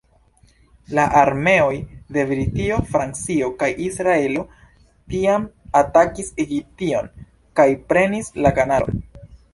La armeoj de Britio, Francio kaj Israelo tiam atakis Egiption kaj prenis la kanalon.